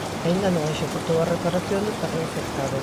E aínda non executou a reparación do terreo afectado.